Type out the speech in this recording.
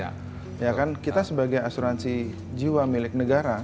jadi kalau kita membuatnya sebagai asuransi jiwa milik negara